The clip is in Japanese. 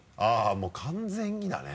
もう完全にだね。